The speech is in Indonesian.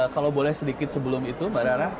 kalau boleh sedikit sebelum itu mbak rara